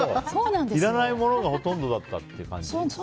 いらないものがほとんどだったって感じ。